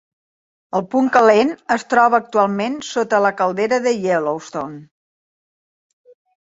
El punt calent es troba actualment sota la Caldera de Yellowstone.